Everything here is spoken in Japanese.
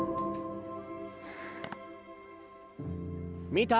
見た？